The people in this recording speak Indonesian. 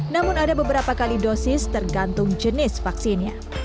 namun ada beberapa kali dosis tergantung jenis vaksinnya